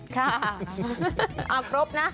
ค่ะเอาครบนะ